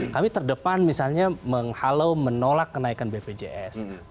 kami terdepan misalnya menghalau menolak kenaikan bpjs